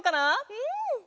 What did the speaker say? うん！